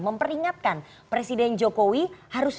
memperingatkan presiden jokowi harus